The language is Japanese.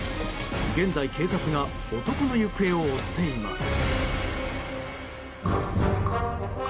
現在、警察が男の行方を追っています。